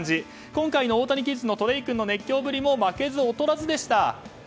今回のオオタニキッズのトレイ君の熱狂ぶりも負けず劣らずでした。